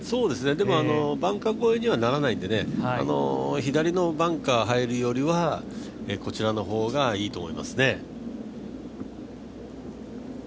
バンカー越えにはならないので、左のバンカーに入るよりはこちらの方がいいと思いますね。